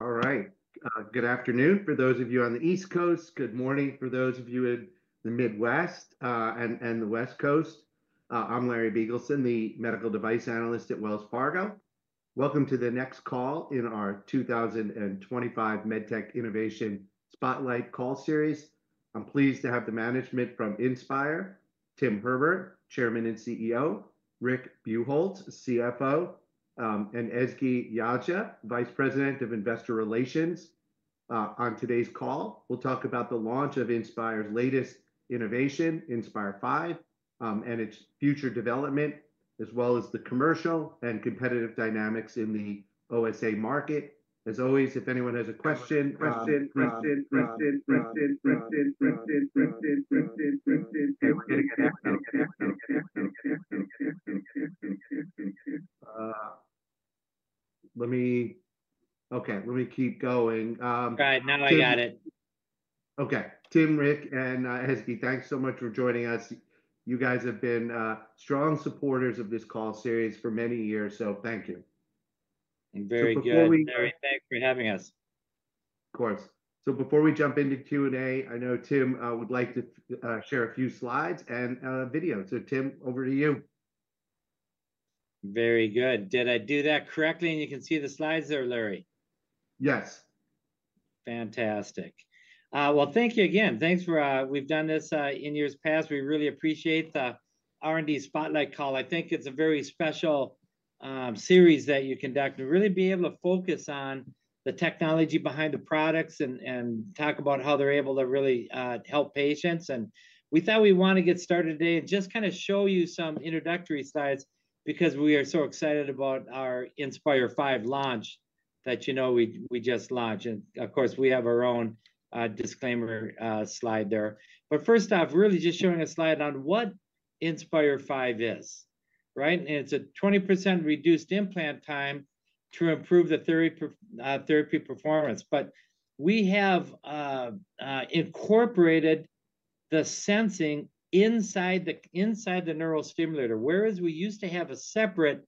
All right. Good afternoon. For those of you on the East Coast, good morning. For those of you in the Midwest and the West Coast, I'm Larry Biegelsen, the Medical Device Analyst at Wells Fargo. Welcome to the next call in our 2025 MedTech Innovation Spotlight call series. I'm pleased to have the management from Inspire, Tim Herbert, Chairman and CEO, Rick Buchholz, CFO, and Ezgi Yagci, Vice President of Investor Relations. On today's call, we'll talk about the launch of Inspire's latest innovation, Inspire V, and its future development, as well as the commercial and competitive dynamics in the OSA market. As always, if anyone has a question, let me. Okay, let me keep going right now. I got it. Okay. Tim, Rick and Ezgi, thanks so much for joining us. You guys have been strong supporters of this call series for many years, so thank you. Very good. Thanks for having us. Of course. Before we jump into Q&A, I know Tim would like to share a few slides and video. Tim, over to you. Very good. Did I do that correctly? And you can see the slides there, Larry? Yes. Fantastic. Thank you again. Thanks for. We've done this in years past. We really appreciate the R&D Spotlight call. I think it's a very special series that you conduct and really be able to focus on the technology behind the products and talk about how they're able to really help patients. We thought we want to get started today and just kind of show you some introductory slides because we are so excited about our Inspire V launch that, you know, we just launched and of course we have our own disclaimer slide there. First off, really just showing a slide on what Inspire V is, right. It's a 20% reduced implant time to improve the therapy performance. We have incorporated the sensing inside the neural stimulator, whereas we used to have a separate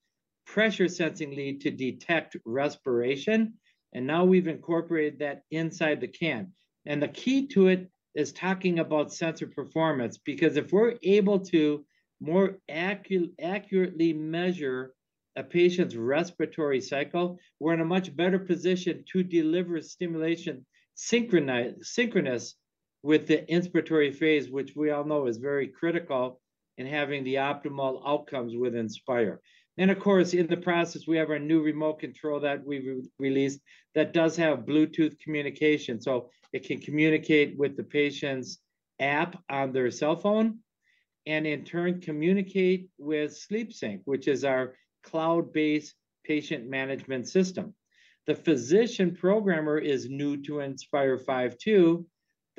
pressure sensing lead to detect respiration, and now we've incorporated that inside the can. The key to it is talking about sensor performance, because if we're able to more accurately measure a patient's respiratory cycle, we're in a much better position to deliver stimulation synchronous with the inspiratory phase, which we all know is very critical in having the optimal outcomes with Inspire. Of course, in the process, we have our new remote control that we released that does have Bluetooth communication, so it can communicate with the patient's app on their cell phone and in turn communicate with SleepSync, which is our cloud based patient management system. The physician programmer is new to Inspire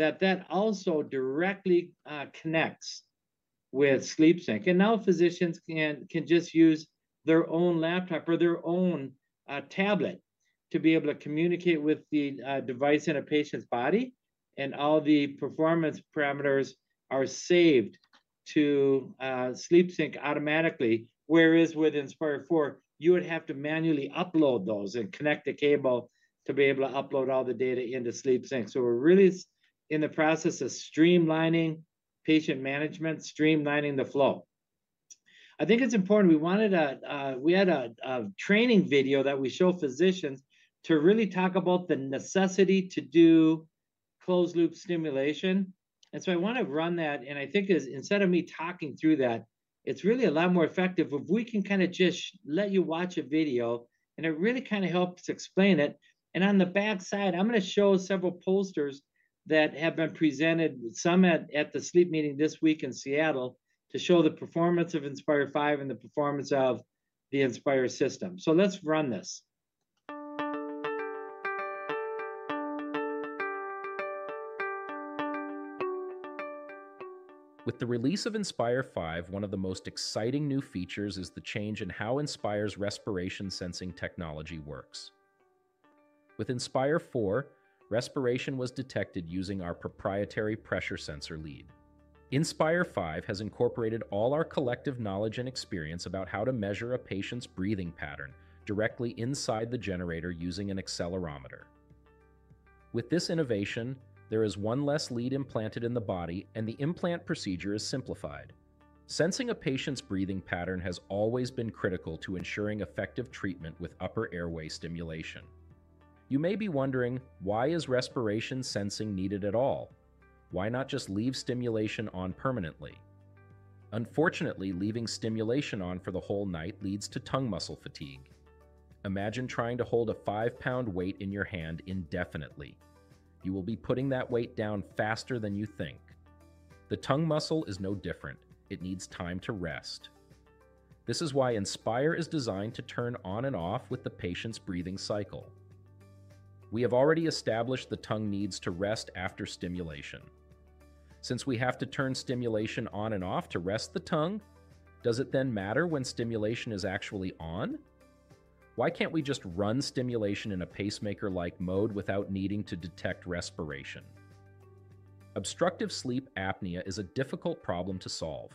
V.2 that also directly connects with SleepSync. Physicians can just use their own laptop or their own tablet to be able to communicate with the device in a patient's body. All the performance parameters are saved to SleepSync automatically. Whereas with Inspire IV, you would have to manually upload those and connect the cable to be able to upload all the data into SleepSync. We are really in the process of streamlining patient management, streamlining the flow. I think it is important. We wanted. We had a training video that we show physicians to really talk about the necessity to do closed loop stimulation. I want to run that. I think instead of me talking through that, it is really a lot more effective if we can kind of just let you watch a video and it really kind of helps explain it. On the back side, I'm going to show several posters that have been presented, some at the sleep meeting this week in Seattle to show the performance of Inspire V and the performance of the Inspire system. Let's run this. With the release of Inspire V, one of the most exciting new features is the change in how Inspire's respiration sensing technology works. With Inspire IV, respiration was detected using our proprietary pressure sensor lead. Inspire V has incorporated all our collective knowledge and experience about how to measure a patient's breathing pattern directly inside the generator using an accelerometer. With this innovation, there is one less lead implanted in the body and the implant procedure is simplified. Sensing a patient's breathing pattern has always been critical to ensuring effective treatment with upper airway stimulation. You may be wondering, why is respiration sensing needed at all? Why not just leave stimulation on permanently? Unfortunately, leaving stimulation on for the whole night leads to tongue muscle fatigue. Imagine trying to hold a five pound weight in your hand indefinitely. You will be putting that weight down faster than you think. The tongue muscle is no different. It needs time to rest. This is why Inspire is designed to turn on and off with the patient's breathing cycle. We have already established the tongue needs to rest after stimulation. Since we have to turn stimulation on and off to rest the tongue, does it then matter when stimulation is actually on? Why can't we just run stimulation in a pacemaker-like mode without needing to detect respiration? Obstructive sleep apnea is a difficult problem to solve.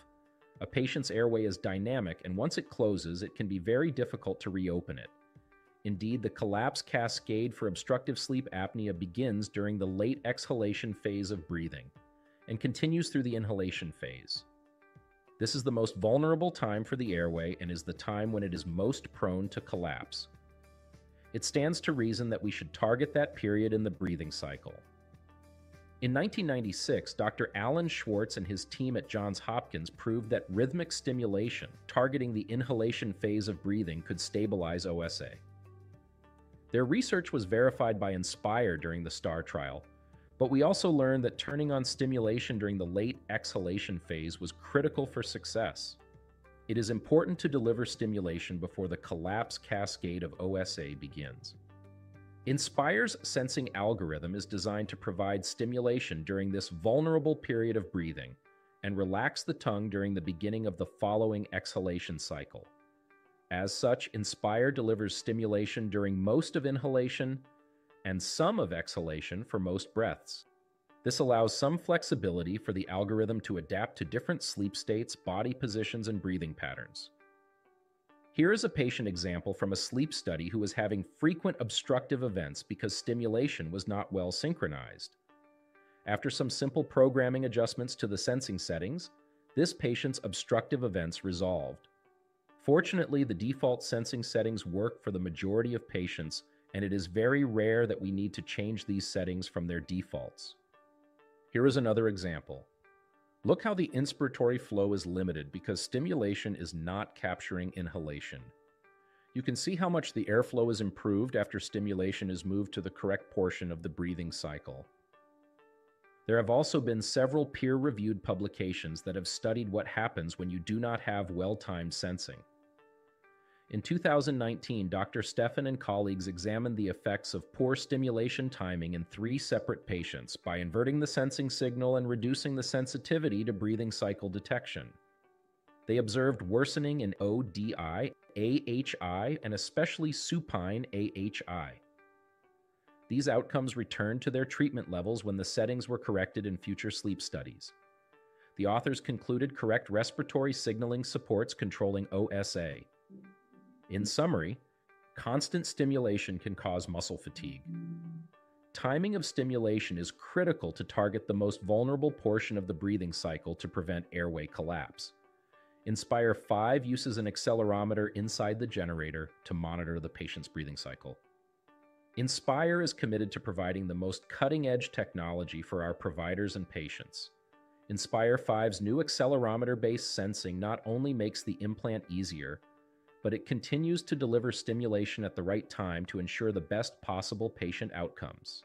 A patient's airway is dynamic and once it closes, it can be very difficult to reopen it. Indeed, the collapse cascade for obstructive sleep apnea begins during the late exhalation phase of breathing and continues through the inhalation phase. This is the most vulnerable time for the airway and is the time when it is most prone to collapse. It stands to reason that we should target that period in the breathing cycle. In 1996, Dr. Alan Schwartz and his team at Johns Hopkins proved that rhythmic stimulation targeting the inhalation phase of breathing could stabilize OSA. Their research was verified by Inspire during the STAR trial, but we also learned that turning on stimulation during the late exhalation phase was critical for success. It is important to deliver stimulation before the collapse cascade of OSA begins. Inspire's sensing algorithm is designed to provide stimulation during this vulnerable period of breathing and relax the tongue during the beginning of the following exhalation cycle. As such, Inspire delivers stimulation during most of inhalation and some of exhalation for most breaths. This allows some flexibility for the algorithm to adapt to different sleep states, body positions and breathing patterns. Here is a patient example from a sleep study who was having frequent obstructive events because stimulation was not well synchronized. After some simple programming adjustments to the sensing settings, this patient's obstructive events resolved. Fortunately, the default sensing settings work for the majority of patients and it is very rare that we need to change these settings from their defaults. Here is another example. Look how the inspiratory flow is limited because stimulation is not capturing inhalation. You can see how much the airflow is improved after stimulation is moved to the correct portion of the breathing cycle. There have also been several peer reviewed publications that have studied what happens when you do not have well timed sensing. In 2019, Dr. Steffen and colleagues examined the effects of poor stimulation timing in three separate patients. By inverting the sensing signal and reducing the sensitivity to breathing cycle detection, they observed worsening in ODI, AHI, and especially supine AHI. These outcomes returned to their treatment levels when the settings were corrected. In future sleep studies, the authors concluded correct respiratory signaling supports controlling OSA. In summary, constant stimulation can cause muscle fatigue. Timing of stimulation is critical to target the most vulnerable portion of the breathing cycle to prevent airway collapse. Inspire V uses an accelerometer inside the generator to monitor the patient's breathing cycle. Inspire is committed to providing the most cutting edge technology for our providers and patients. Inspire V's new accelerometer-based sensing not only makes the implant easier, but it continues to deliver stimulation at the right time to ensure the best possible patient outcomes.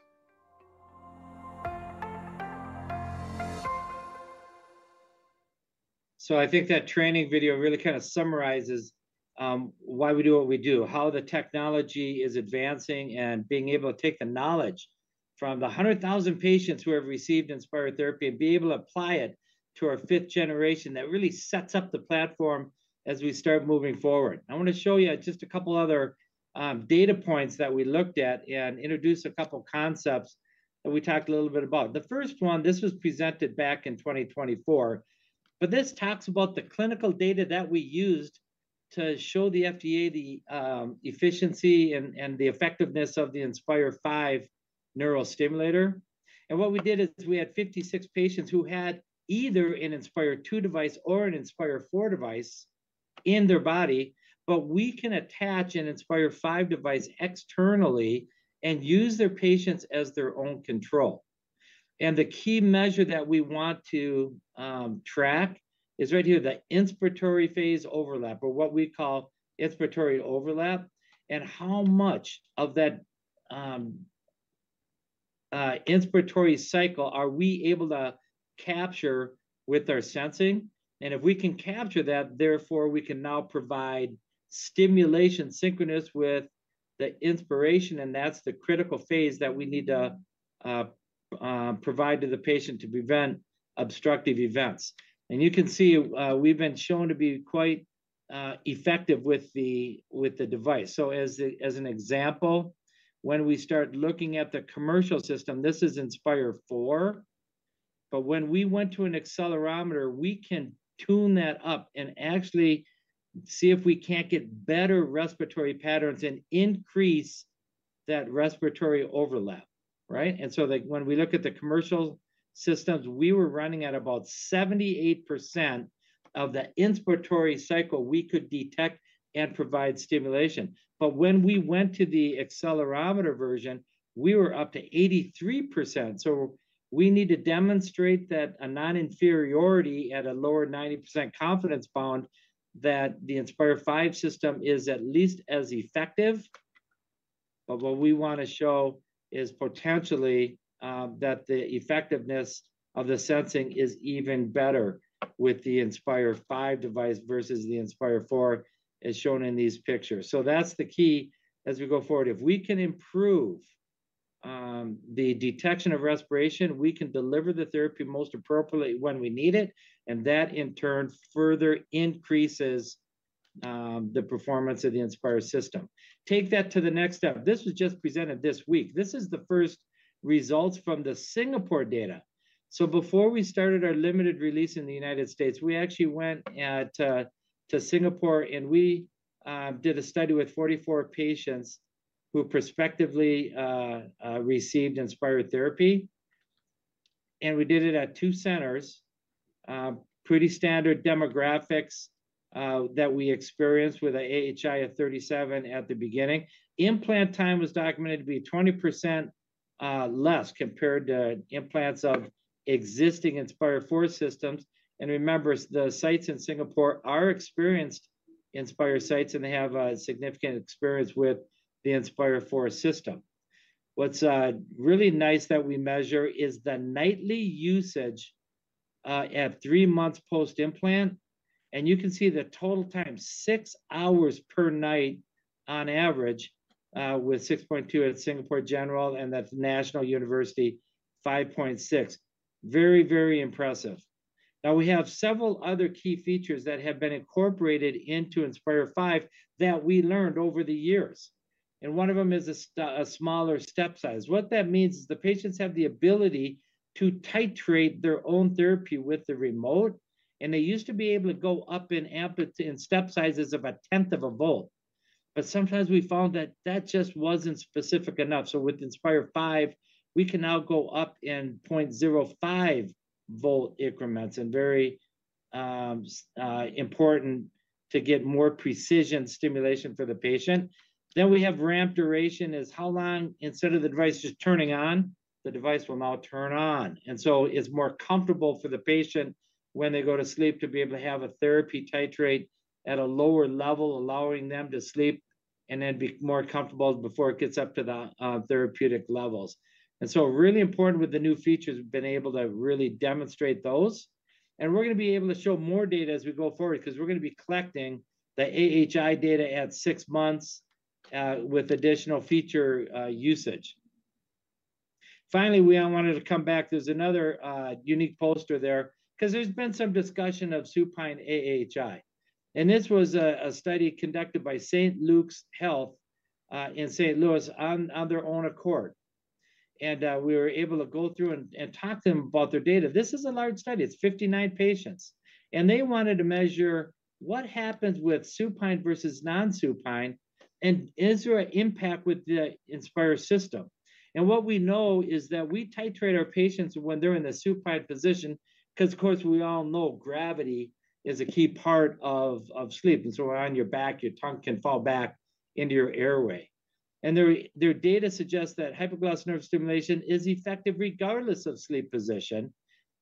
I think that training video really kind of summarizes why we do what we do, how the technology is advancing and being able to take the knowledge from the 100,000 patients who have received Inspire therapy and be able to apply it to our fifth generation. That really sets up the platform as we start moving forward. I want to show you just a couple other data points that we looked at and introduce a couple concepts that we talked a little bit about. The first one, this was presented back in 2024, but this talks about the clinical data that we used to show the FDA the efficiency and the effectiveness of the Inspire V neurostimulator. What we did is we had 56 patients who had either an Inspire II device or an Inspire IV device in their body. We can attach an Inspire V device externally and use their patients as their own control. The key measure that we want to track is right here, the inspiratory phase overlap, or what we call inspiratory overlap. How much of that inspiratory cycle are we able to capture with our sensing? If we can capture that, therefore, we can now provide stimulation synchronous with the inspiration. That is the critical phase that we need to provide to the patient to prevent obstructive events. You can see we've been shown to be quite effective with the device. As an example, when we start looking at the commercial system, this is Inspire IV. When we went to an accelerometer, we can tune that up and actually see if we can't get better respiratory patterns and increase that respiratory overlap. Right. When we look at the commercial systems, we were running at about 78% of the inspiratory cycle, we could detect and provide stimulation, but when we went to the accelerometer version, we were up to 83%. We need to demonstrate that a non inferiority at a lower 90% confidence bound that the Inspire V system is at least as effective. What we want to show is potentially that the effectiveness of the sensing is even better with the Inspire V device versus the Inspire IV, as shown in these pictures. That is the key as we go forward. If we can improve the detection of respiration, we can deliver the therapy most appropriately when we need it. That in turn further increases the performance of the Inspire system. Take that to the next step. This was just presented this week. This is the first results from the Singapore data. Before we started our limited release in the United States, we actually went to Singapore and we did a study with 44 patients who prospectively received Inspire therapy. We did it at two centers. Pretty standard demographics that we experienced with an AHI of 37 at the beginning. Implant time was documented to be 20% less compared to implants of existing Inspire IV systems. Remember, the sites in Singapore are experienced Inspire sites and they have significant experience with the Inspire IV system. What's really nice that we measure is the nightly usage at 3 months post implant. You can see the total time, six hours per night on average with 6.2 at Singapore General. That is National University 5.6. Very, very impressive. Now, we have several other key features that have been incorporated into Inspire V that we learned over the years. One of them is a smaller step size. What that means is the patients have the ability to titrate their own therapy with the remote. They used to be able to go up in amplitude in step sizes of a 0.1 V. Sometimes we found that that just was not specific enough. With Inspire V, we can now go up in 0.05 V increments. Very important to get more precision stimulation for the patient. We have ramp duration, is how long. Instead of the device just turning on, the device will now turn on. It is more comfortable for the patient when they go to sleep to be able to have a therapy titrate at a lower level, allowing them to sleep and then be more comfortable before it gets up to the therapeutic levels. It is really important with the new features, we have been able to really demonstrate those and we are going to be able to show more data as we go forward because we are going to be collecting the AHI data at 6 months with additional feature usage. Finally, we wanted to come back. There is another unique poster there because there has been some discussion of supine AHI. This was a study conducted by St. Luke's Health in St. Louis on their own accord. We were able to go through and talk to them about their data. This is a large study. It is 59 patients. They wanted to measure what happens with supine versus non-supine. Is there an impact with the Inspire system? What we know is that we titrate our patients when they're in the supine position. Of course, we all know gravity is a key part of sleep. On your back, your tongue can fall back into your airway. Their data suggests that hypoglossal nerve stimulation is effective regardless of sleep position.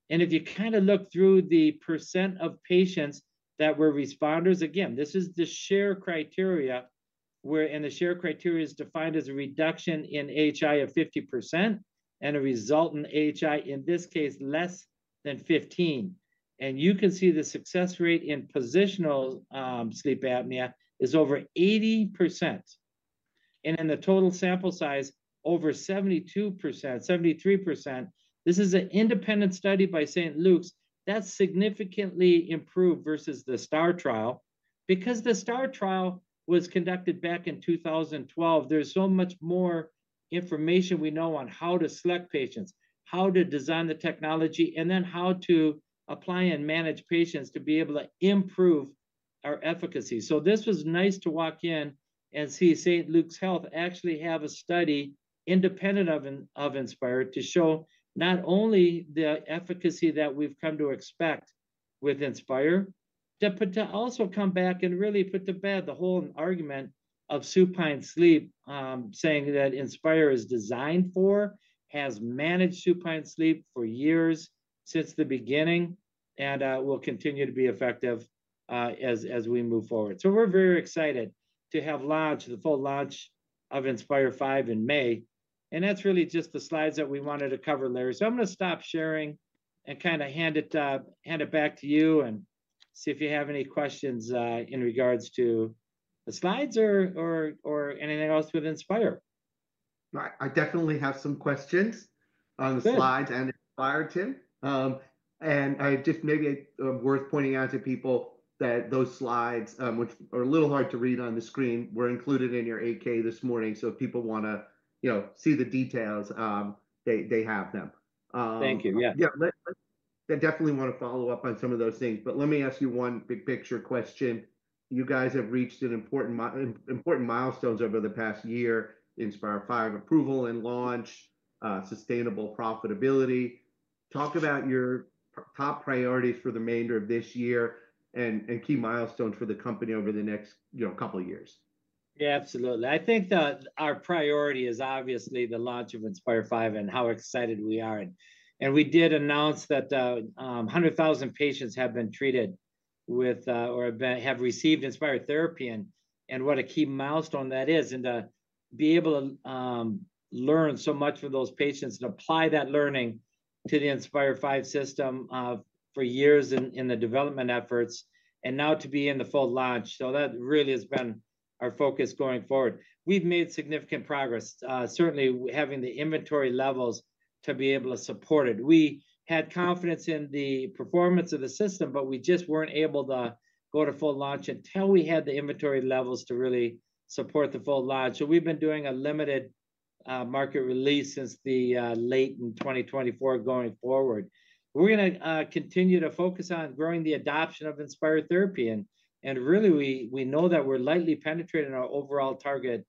If you look through the percent of patients that were responders, again, this is the Sher criteria. The Sher criteria is defined as a reduction in AHI of 50% and a resultant AHI in this case less than 15. You can see the success rate in positional sleep apnea is over 80% and in the total sample size, over 72%-73%. This is an independent study by St. Luke's. That's significantly improved versus the STAR trial. Because the STAR trial was conducted back in 2012, there's so much more information we know on how to select patients, how to design the technology, and then how to apply and manage patients to be able to improve our efficacy. This was nice to walk in and see St. Luke's Health actually have a study independent of Inspire to show not only the efficacy that we've come to expect with Inspire, but to also come back and really put to bed the whole argument of supine sleep. Saying that Inspire is designed for, has managed supine sleep for years since the beginning, and will continue to be effective as we move forward. We're very excited to have launched the full launch of Inspire V in May, and that's really just the slides that we wanted to cover, Larry. I'm going to stop sharing and kind of hand it back to you and see if you have any questions in regards to the slides or anything else within Inspire. I definitely have some questions on the slides and Inspire Tim, and maybe worth pointing out to people that those slides, which are a little hard to read on the screen, were included in your 8-K this morning. If people want to see the details, they have them. Thank you. Yeah. Definitely want to follow up on some of those things. Let me ask you one big picture question. You guys have reached important, important milestones over the past year. Inspire V approval and launch, sustainable profitability. Talk about your top priorities for the remainder of this year and key milestones for the company over the next couple of years. Yeah, absolutely. I think that our priority is obviously the launch of Inspire V and how excited we are. We did announce 100,000 patients have been treated with or have received Inspire therapy. What a key milestone that is and to be able to learn so much from those patients and apply that learning to the Inspire V system for years in the development efforts and now to be in the full launch. That really has been our focus going forward. We've made significant progress, certainly having the inventory levels to be able to support it. We had confidence in the performance of the system, but we just weren't able to go to full launch until we had the inventory levels to really support the full launch. We've been doing a limited market release since late in 2024. Going forward, we're going to continue to focus on growing the adoption of Inspire therapy and really we know that we're lightly penetrating our overall target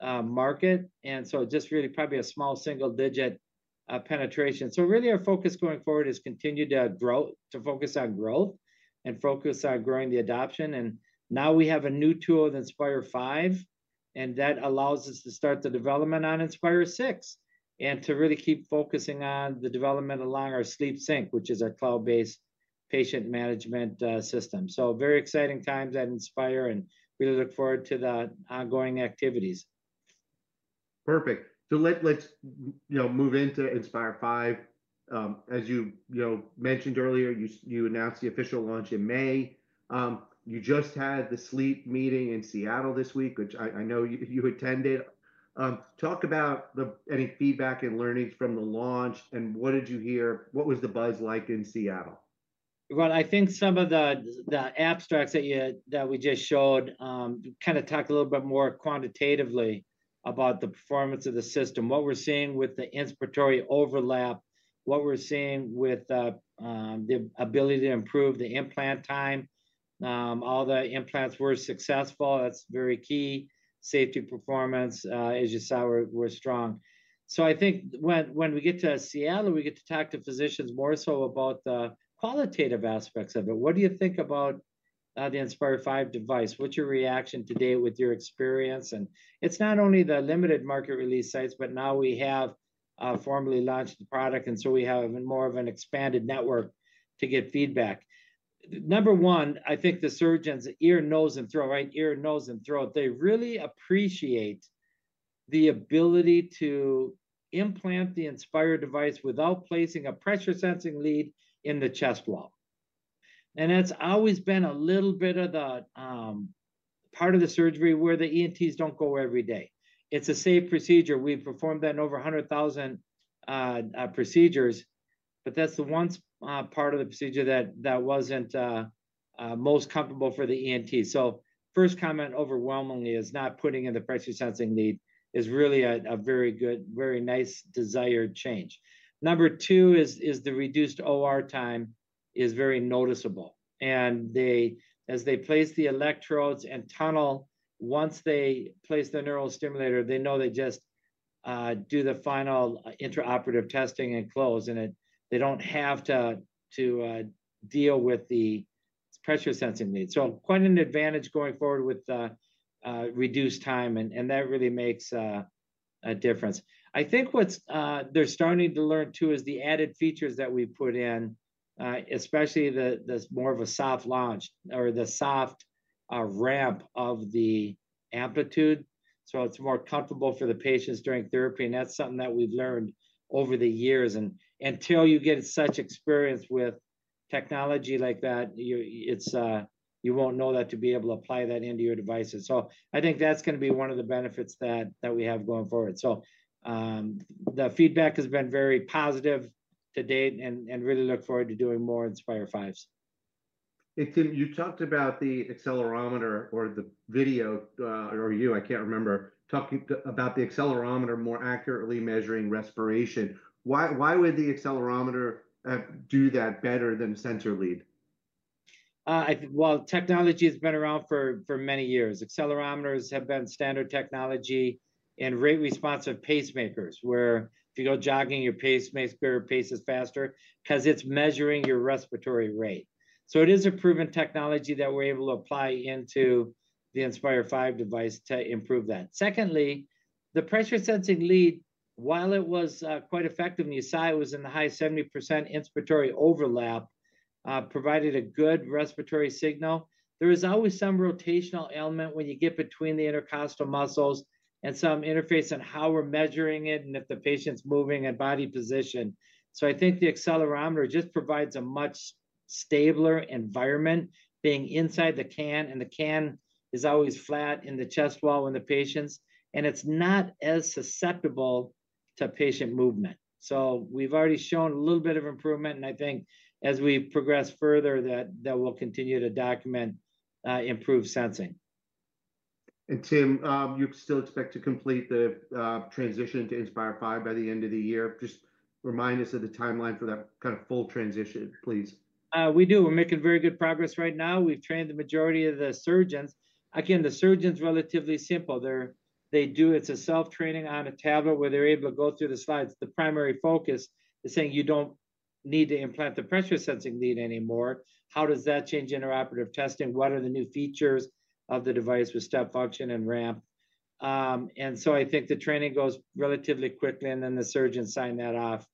market and so just really probably a small single-digit penetration. Really our focus going forward is continue to grow, to focus on growth and focus on growing the adoption. Now we have a new tool with Inspire V and that allows us to start the development on Inspire VI and to really keep focusing on the development along our SleepSync, which is our cloud-based patient management system. Very exciting times at Inspire and really look forward to the ongoing activities. Perfect. Let's move into Inspire V. As you mentioned earlier, you announced the. Official launch in May. You just had the sleep meeting in Seattle this week, which I know you attended. Talk about any feedback and learnings from the launch and what did you hear? What was the buzz like in Seattle? I think some of the abstracts that we just showed kind of talk a little bit more quantitatively about the performance of the system. What we're seeing with the inspiratory overlap, what we're seeing with the ability to improve the implant time, all the implants were successful. That's very key. Safety, performance. As you saw, were strong. I think when we get to Seattle we get to talk to physicians more so about the qualitative aspects of it. What do you think about the Inspire V device? What's your reaction today with your experience? And it's not only the limited market release sites, but now we have formally launched the product and so we have more of an expanded network to get feedback. Number one, I think the surgeons, ear, nose and throat. Right. Ear, nose and throat, they really appreciate the ability to implant the Inspire device without placing a pressure sensing lead in the chest wall. That's always been a little bit of the part of the surgery where the ENTs do not go every day. It's a safe procedure. We performed that in over 100,000 procedures. That's the one part of the procedure that was not most comfortable for the ENT. First comment overwhelmingly is not putting in the pressure sensing lead is really a very good, very nice desired change. Number two is the reduced OR time is very noticeable. As they place the electrodes and tunnel, once they place the neural stimulator, they know they just do the final intraoperative testing and close and they do not have to deal with the pressure sensing needs. Quite an advantage going forward with reduced time. That really makes a difference. I think what they're starting to learn too is the added features that we put in, especially more of a soft launch or the soft ramp of the amplitude so it's more comfortable for the patients during therapy. That's something that we've learned over the years. Until you get such experience with technology like that, you won't know that to be able to apply that into your devices. I think that's going to be one of the benefits that we have going forward. The feedback has been very positive to date and really look forward to doing more Inspire Vs. You talked about the accelerometer or the video or you. I can't remember, talking about the accelerometer more accurately measuring respiration. Why would the accelerometer do that better than sensor lead? Technology has been around for many years. Accelerometers have been standard technology in rate responsive pacemakers where if you go jogging, your pacemaker is faster because it's measuring your respiratory rate. It is a proven technology that we're able to apply into the Inspire V device to improve that. Secondly, the pressure sensing lead, while it was quite effective and you saw it was in the high 70% inspiratory overlap, provided a good respiratory signal. There is always some rotational ailment when you get between the intercostal muscles and some interface on how we're measuring it and if the patient's moving at body position. I think the accelerometer just provides a much stabler environment being inside the can and the can is always flat in the chest wall when the patient is and it's not as susceptible to patient movement. We have already shown a little bit of improvement and I think as we progress further that will continue to document improved sensing. Tim, you still expect to complete the transition to Inspire V by the end of the year. Just remind us of the timeline for that kind of full transition, please. We do. We're making very good progress right now. We've trained the majority of the surgeons. Again, the surgeon's relatively simple. They do. It's a self-training on a tablet where they're able to go through the slides. The primary focus is saying you don't need to implant the pressure sensing lead anymore. How does that change interoperative testing? What are the new features of the device with step function and ramp? I think the training goes relatively quickly and then the surgeons sign that off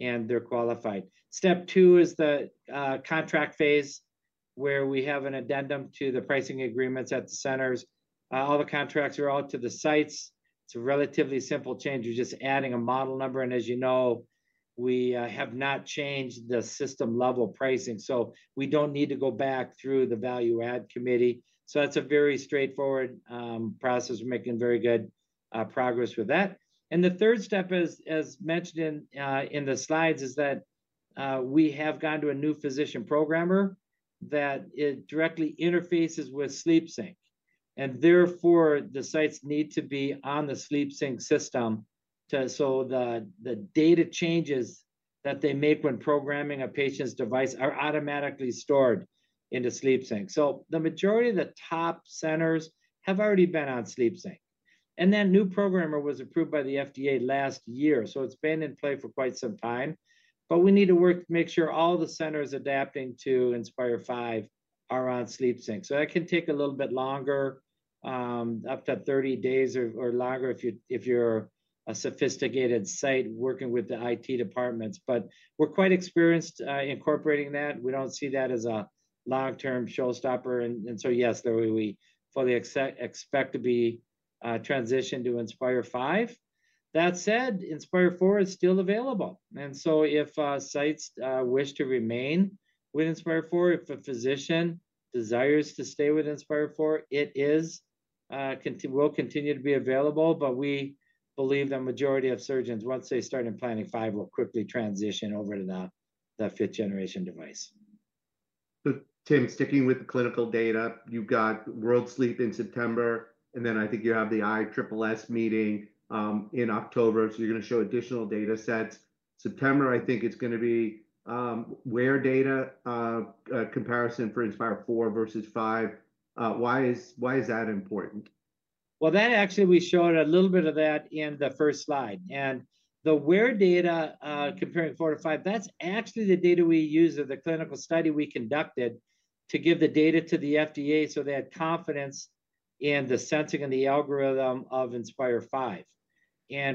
and they're qualified. Step two is the contract phase where we have an addendum to the pricing agreements at the centers. All the contracts are out to the sites. It's a relatively simple change. You're just adding a model number. As you know, we have not changed the system level pricing, so we do not need to go back through the value add committee. That is a very straightforward process. We are making very good progress with that. The third step, as mentioned in the slides, is that we have gone to a new physician programmer that directly interfaces with SleepSync, and therefore the sites need to be on the SleepSync system. The data changes that they make when programming a patient's device are automatically stored into SleepSync. The majority of the top centers have already been on SleepSync, and that new programmer was approved by the FDA last year. It has been in play for quite some time. We need to make sure all the centers adapting to Inspire V are on SleepSync. That can take a little bit longer, up to 30 days or longer if you're a sophisticated site working with the IT departments. We're quite experienced incorporating that. We don't see that as a long term showstopper. Yes, we fully expect to be transitioned to Inspire V. That said, Inspire IV is still available. If sites wish to remain with Inspire IV, if a physician desires to stay with Inspire IV, it will continue to be available. We believe the majority of surgeons, once they start implanting V, will quickly transition over to the 5th-generation device. Tim, sticking with the clinical data, you've got World Sleep in September and then I think you have the ISSS meeting in October. So you're going to show additional data sets September. I think it's going to be where data comparison for Inspire IV versus V. Why is that important? That actually we showed a little bit of that in the first slide, and the data comparing IV to V, that's actually the data we use of the clinical study we conducted to give the data to the FDA. They had confidence in the sensing and the algorithm of Inspire V.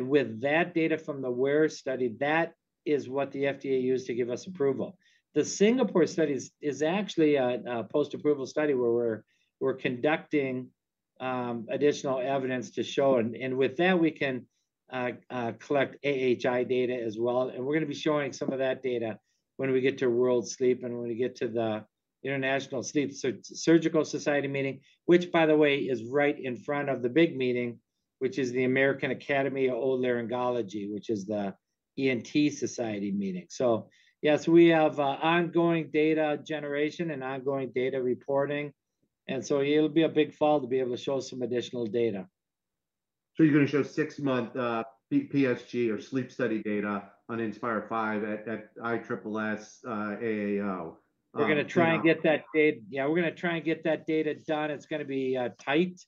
With that data from the WEAR study, that is what the FDA used to give us approval. The Singapore studies is actually a post-approval study where we're conducting additional evidence to show, and with that we can collect AHI data as well. We're going to be showing some of that data when we get to World Sleep and when we get to the International Sleep Surgical Society meeting, which by the way is right in front of the big meeting, which is the American Academy of Otolaryngology, which is the ENT Society meeting. Yes, we have ongoing data generation and ongoing data reporting, and so it'll be a big fall to be able to show some additional data. You're going to show 6 month PSG or sleep study data on Inspire V at ISSS AAO? We're going to try and get that data. Yeah, we're going to try and get that data done. It's going to be tight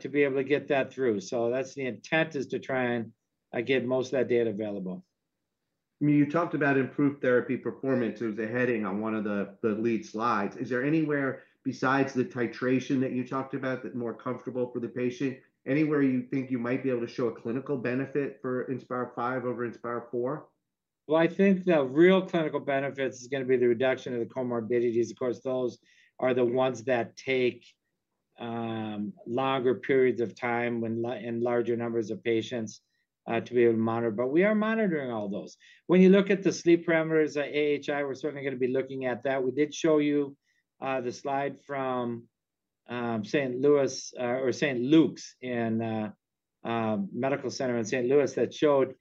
to be able to get that through. That's the intent, is to try and get most of that data available. You talked about improved therapy performance. It was a heading on one of the lead slides. Is there anywhere besides the titration that you talked about that is more comfortable for the patient? Anywhere you think you might be able to show a clinical benefit for Inspire V over Inspire IV? I think the real clinical benefits is going to be the reduction of the comorbidities. Of course those are the ones that take longer periods of time and larger numbers of patients to be able to monitor. But we are monitoring all those. When you look at the sleep parameters AHI, we're certainly going to be looking at that. We did show you the slide from St. Luke's Medical Center in St. Louis that showed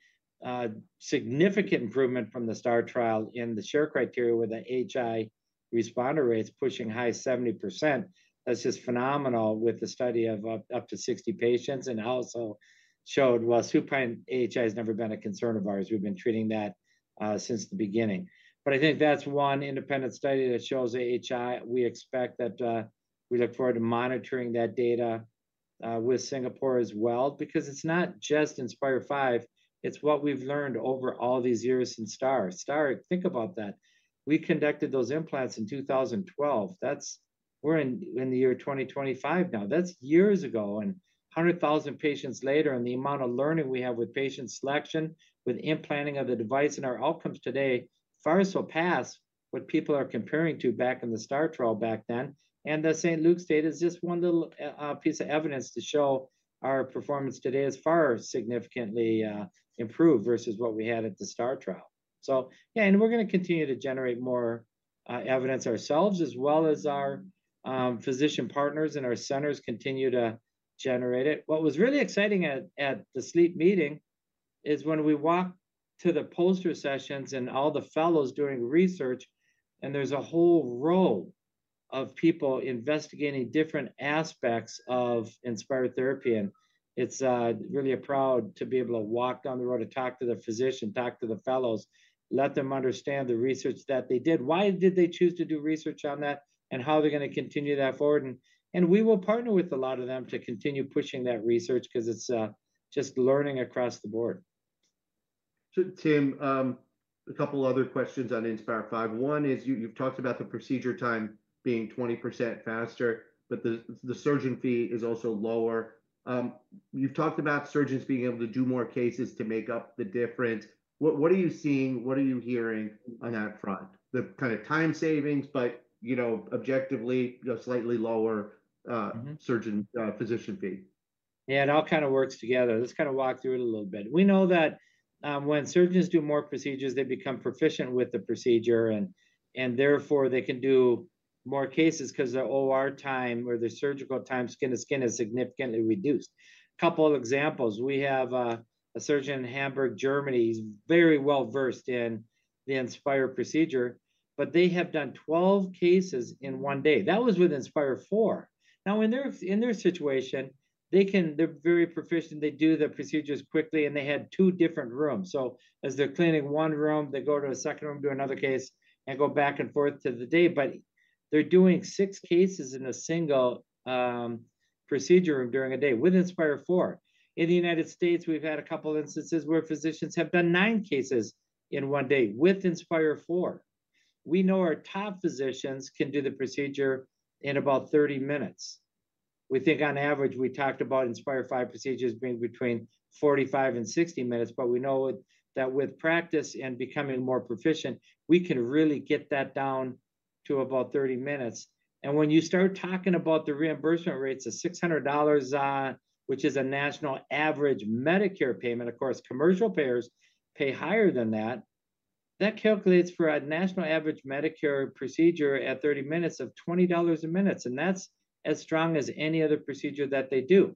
significant improvement from the STAR trial in the Sher criteria with the AHI responder rates pushing high 70%. That's just phenomenal with the study of up to 60 patients and also showed, well, supine AHI has never been a concern of ours. We've been treating that since the beginning. I think that's one independent study that shows AHI. We expect that. We look forward to monitoring that data with Singapore as well because it's not just Inspire V, it's what we've learned over all these years in STAR. Think about that. We conducted those implants in 2012. We're in the year 2025 now. That's years ago and 100,000 patients later. And the amount of learning we have with patient selection, with implanting of the device and our outcomes today far surpass what people are comparing to back in the STAR trial back then. The St. Luke's study is just one little piece of evidence to show our performance today is far significantly improved versus what we had at the STAR trial. Yeah, and we're going to continue to generate more evidence ourselves as well as our physician partners in our centers continue to generate it. What was really exciting at the sleep meeting is when we walk to the poster sessions and all the fellows doing research. There is a whole row of people investigating different aspects of Inspire therapy. It is really a proud to be able to walk down the row to talk to the physician, talk to the fellows, let them understand the research that they did, why did they choose to do research on that and how they are going to continue that forward. We will partner with a lot of them to continue pushing that research because it is just learning across the board. Tim, a couple other questions on Inspire V. One is you've talked about the procedure time being 20% faster, but the surgeon fee is also lower. You've talked about surgeons being able to do more cases to make up the difference. What are you seeing? What are you hearing on that front? The kind of time savings, but you know, objectively slightly lower surgeon physician fee. Yeah, it all kind of works together. Let's kind of walk through it a little bit. We know that when surgeons do more procedures, they become proficient with the procedure and therefore they can do more cases because their OR time or their surgical time, skin to skin, is significantly reduced. Couple of examples. We have a surgeon in Hamburg, Germany. He's very well versed in the Inspire procedure, but they have done 12 cases in one day. That was with Inspire IV. Now, in their situation, they're very proficient. They do the procedures quickly and they had two different rooms. As they're cleaning one room, they go to a second room, do another case and go back and forth through the day. They're doing six cases in a single procedure room during a day. With Inspire IV in the United States, we've had a couple instances where physicians have done nine cases in one day. With Inspire IV, we know our top physicians can do the procedure in about 30 minutes, we think, on average, we talked about Inspire V procedures being between 45 and 60 minutes. We know that with practice and becoming more proficient, we can really get that down to about 30 minutes. When you start talking about the reimbursement rates of $600, which is a national average Medicare payment, of course, commercial payers pay higher than that. That calculates for a national average Medicare procedure at 30 minutes of $20 a minute. That is as strong as any other procedure that they do.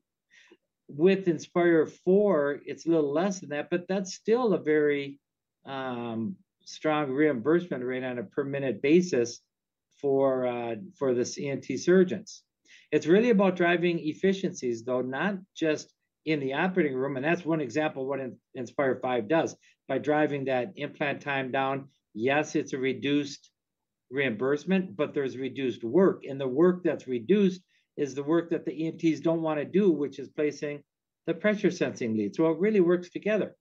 With Inspire IV, it is a little less than that, but that is still a very strong reimbursement rate on a per minute basis. For the ENT surgeons, it's really about driving efficiencies, though, not just in the operating room. That's one example, what Inspire V does by driving that implant time down, yes, it's a reduced reimbursement, but there's reduced work. The work that's reduced is the work that the ENTs don't want to do, which is placing the pressure sensing lead. It really works together.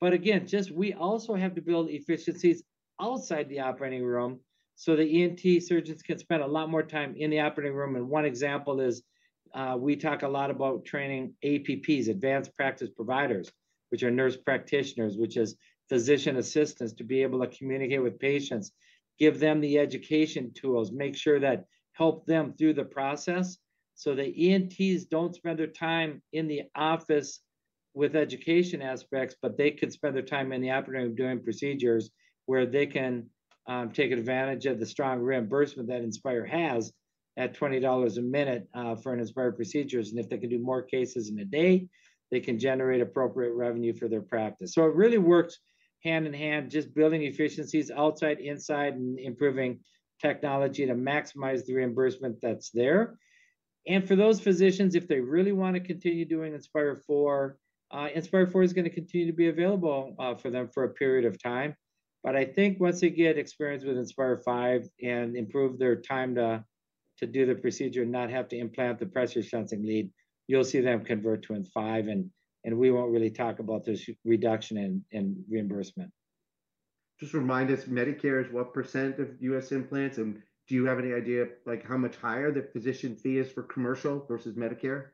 We also have to build efficiencies outside the operating room so the ENT surgeons can spend a lot more time in the operating room. One example is we talk a lot about training APPs, advanced practice providers, which are nurse practitioners, which is physician assistants, to be able to communicate with patients, give them the education tools, make sure that help them through the process. The ENTs don't spend their time in the office with education aspects, but they could spend their time in the operating room doing procedures where they can take advantage of the strong reimbursement that Inspire has at $20 a minute for an Inspire procedure. If they can do more cases in a day, they can generate appropriate revenue for their practice. It really works hand in hand, just building efficiencies outside, inside and improving technology to maximize the reimbursement that's there. For those physicians, if they really want to continue doing Inspire IV, Inspire IV is going to continue to be available for them for a period of time. I think once they get experience with Inspire V and improve their time to do the procedure and not have to implant the pressure sensing lead, you'll see them convert to Inspire V. We won't really talk about this reduction in reimbursement. Just remind us Medicare is what percent of U.S. implants? And do you have any idea like how much higher the physician fee is for commercial versus Medicare?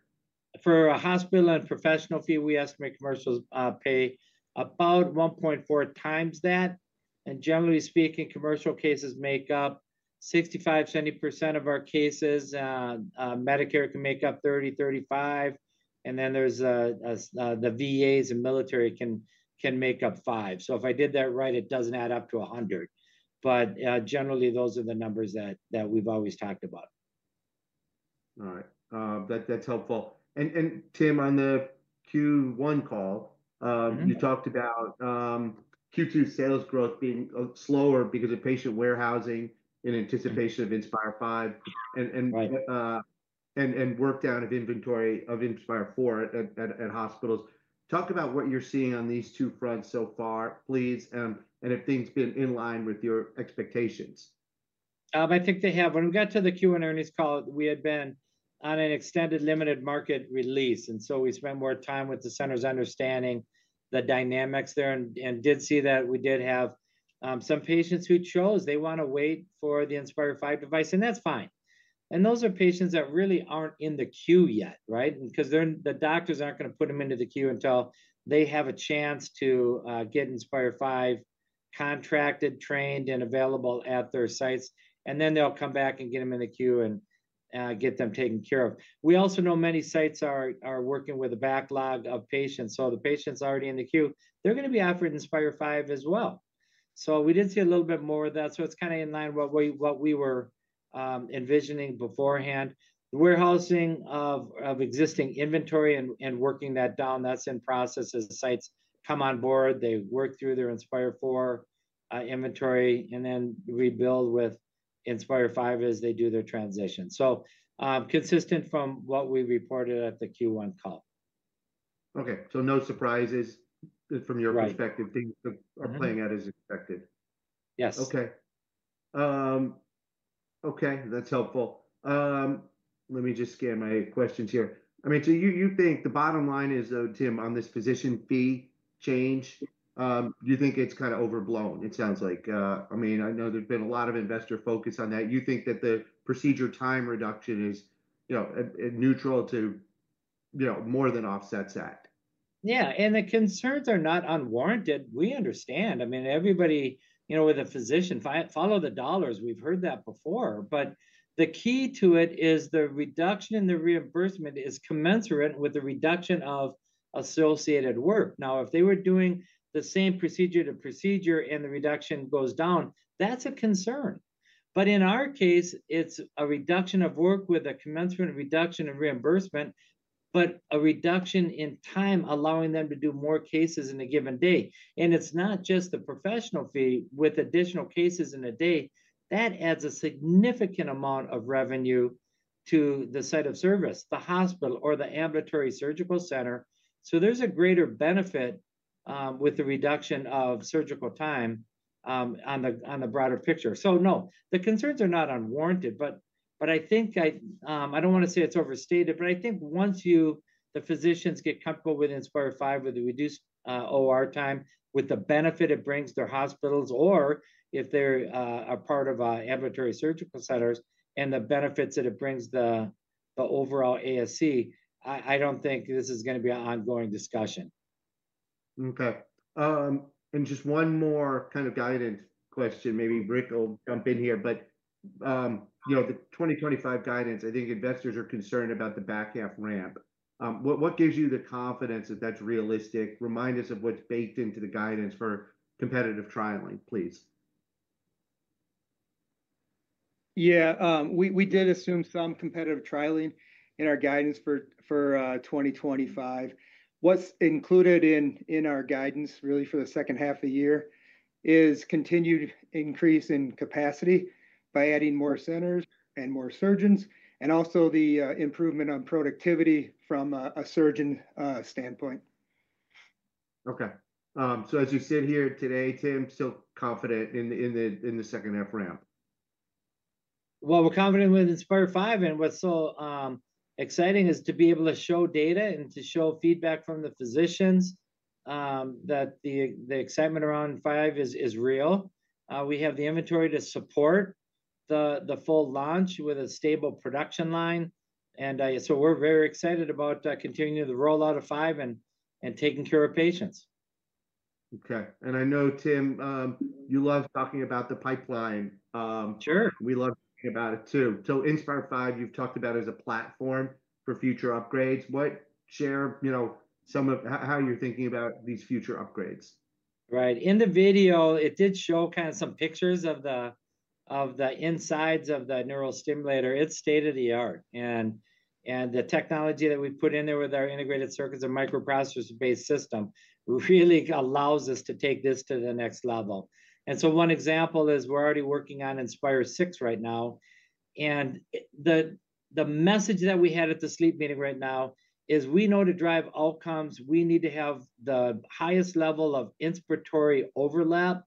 For a hospital and professional fee, we estimate commercials pay about 1.4 times that. Generally speaking, commercial cases make up 65-70% of our cases. Medicare can make up 30-35%. Then there's the VAs and military can make up 5%. If I did that right, it doesn't add up to 100%, but generally those are the numbers that we've always talked about. All right, that's helpful. Tim, on the Q1 call, you talked about Q2 sales growth being slower because of patient warehousing in anticipation of Inspire V and work down of inventory of Inspire IV at hospitals. Talk about what you're seeing on these two fronts so far, please. Have things been in line with your expectations? I think they have. When we got to the Q and earnings call, we had been on an extended limited market release and so we spent more time with the centers understanding the dynamics there and did see that we did have some patients who chose. They want to wait for the Inspire V device, and that's fine. Those are patients that really aren't in the queue yet. Right. Because the doctors aren't going to put them into the queue until they have a chance to get Inspire V contracted, trained and available at their sites, and then they'll come back and get them in the queue and get them taken care of. We also know many sites are working with a backlog of patients. So the patients already in the queue, they're going to be offered Inspire V as well. We did see a little bit more of that. It is kind of in line with what we were envisioning beforehand. The warehousing of existing inventory and working that down, that is in process. As the sites come on board, they work through their Inspire IV inventory and then rebuild with Inspire V as they do their transition. That is consistent with what we reported at the Q1 call. Okay, so no surprises from your perspective? Things are playing out as expected? Yes. Okay. Okay, that's helpful. Let me just scan my questions here. I mean, you think the bottom line is, though, Tim, on this position fee change, do you think it's kind of overblown? It sounds like. I mean, I know there's been a lot of investor focus on that. You think that the procedure time reduction is, you know, neutral to, you know, more than offsets that? Yeah. The concerns are not unwarranted. We understand. I mean, everybody, you know, with a physician, follow the dollars. We've heard that before. The key to it is the reduction in the reimbursement is commensurate with the reduction of associated work. Now, if they were doing the same procedure to procedure and the reduction goes down, that's a concern. In our case, it's a reduction of work with a commensurate reduction in reimbursement, but a reduction in time allowing them to do more cases in a given day. It's not just the professional fee. With additional cases in a day, that adds a significant amount of revenue to the site of service, the hospital or the ambulatory surgical center. There's a greater benefit with the reduction of surgical time on the broader picture. No, the concerns are not unwarranted. I think I, I do not want to say it is overstated, but I think once you, the physicians get comfortable with Inspire V with the reduced OR time with the benefit it brings their hospitals or if they are a part of ambulatory surgical centers and the benefits that it brings the overall ASC. I do not think this is going to be an ongoing discussion. Okay. And just one more kind of guidance question. Maybe Rick will jump in here. You know, the 2025 guidance, I think investors are concerned about the back half ramp. What gives you the confidence that that's realistic? Remind us of what's baked into the guidance for competitive trialing, please. Yeah, we did assume some competitive trialing in our guidance for, for 2025. What's included in our guidance really. For the second half of the year is continued increase in capacity by adding more centers and more surgeons also. The improvement on productivity from a surgeon standpoint. Okay, so as you sit here today, Tim, still confident in the second half ramp? We are confident with Inspire V and what is so exciting is to be able to show data and to show feedback from the physicians that the excitement around V is real. We have the inventory to support the full launch with a stable production line. We are very excited about continuing the rollout of V and taking care of patients. Okay. I know, Tim, you love talking about the pipeline. Sure, we love talking about it too. Inspire V, you've talked about as a platform for future upgrades. What share, you know, some of how you're thinking about these future upgrades. Right. In the video, it did show kind of some pictures of the insides of the neural stimulator. It's state of the art. The technology that we put in there with our integrated circuits and microprocessors based system really allows us to take this to the next level. One example is we're already working on Inspire VI right now. The message that we had at the sleep meeting right now is we know to drive outcomes, we need to have the highest level of inspiratory overlap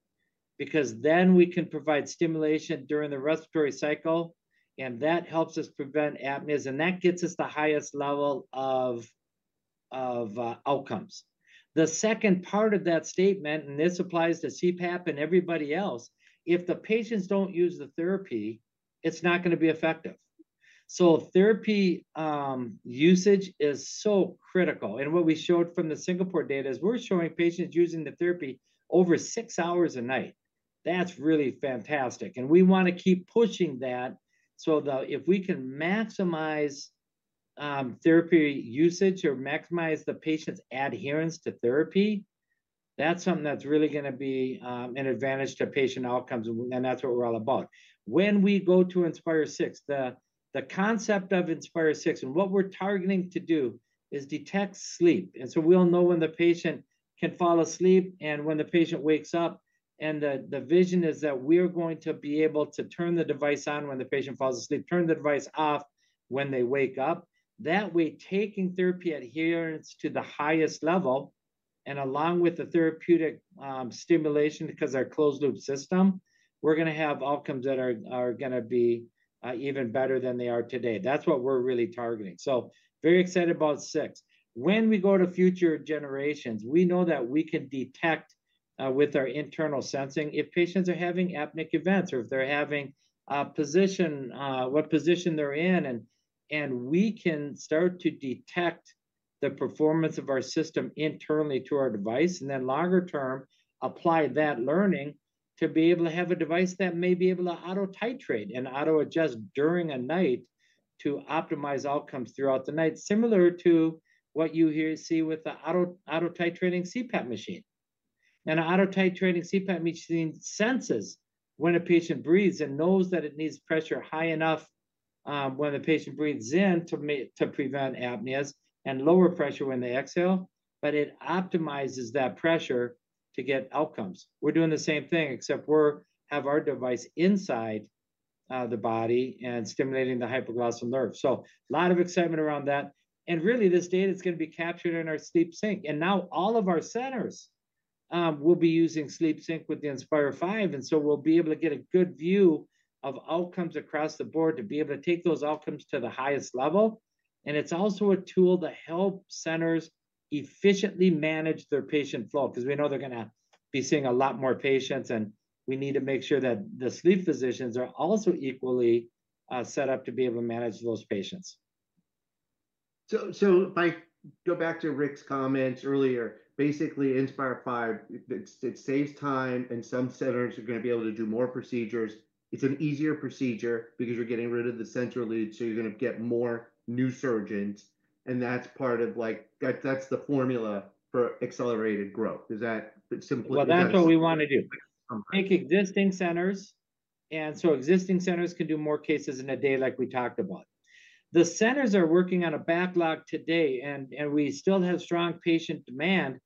because then we can provide stimulation during the respiratory cycle and that helps us prevent apneas and that gets us the highest level of outcomes. The second part of that statement, and this applies to CPAP and everybody else, if the patients don't use the therapy, it's not going to be effective. Therapy usage is so critical. What we showed from the Singapore data is we're showing patients using the therapy over six hours a night. That's really fantastic. We want to keep pushing that so that if we can maximize therapy usage or maximize the patient's adherence to therapy, that's something that's really going to be an advantage to patient outcomes. That's what we're all about when we go to Inspire VI. The concept of Inspire VI and what we're targeting to do is detect sleep. We'll know when the patient can fall asleep and when the patient wakes up. The vision is that we are going to be able to turn the device on when the patient falls asleep, turn the device off when they wake up, that way taking therapy adherence to the highest level and along with the therapeutic stimulation because our closed loop system, we are going to have outcomes that are going to be even better than they are today. That is what we are really targeting. Very excited about VI. When we go to future generations, we know that we can detect with our internal sensing if patients are having apneic events or if they are having position, what position they are in. We can start to detect the performance of our system internally to our device and then longer term apply that learning to be able to have a device that may be able to auto titrate and auto adjust during a night to optimize outcomes throughout the night. Similar to what you see with the auto titrating CPAP machine. An auto titrating CPAP machine senses when a patient breathes and knows that it needs pressure high enough when the patient breathes in to prevent apneas and lower pressure when they exhale. It optimizes that pressure to get outcomes. We're doing the same thing except we have our device inside the body and stimulating the hypoglossal nerve. A lot of excitement around that. Really, this data is going to be captured in our SleepSync. All of our centers will be using SleepSync with the Inspire V, and we will be able to get a good view of outcomes across the board to be able to take those outcomes to the highest level. It is also a tool to help centers efficiently manage their patient flow because we know they are going to be seeing a lot more patients, and we need to make sure that the sleep physicians are also equally set up to be able to manage those patients. By going back to Rick's comments earlier, basically Inspire V, it saves time and some centers are going to be able to do more procedures. It's an easier procedure because you're getting rid of the center lead, so you're going to get more new surgeons. That's part of, like, that's the formula for accelerated growth. It's that simple. That's what we want to do. Take existing centers. Existing centers can do more cases in a day. Like we talked about, the centers are working on a backlog today and we still have strong patient demand.